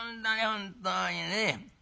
本当にね。